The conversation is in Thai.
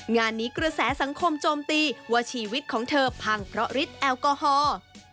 งานนี้กระแสสังคมโจมตีว่าชีวิตของเธอพังเพราะฤทธิแอลกอฮอล์